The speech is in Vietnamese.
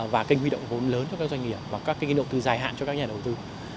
và kênh huy động vốn lớn cho các doanh nghiệp và các kênh đầu tư dài hạn cho các nhà đầu tư